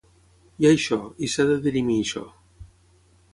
Hi ha això, i s’ha de dirimir això.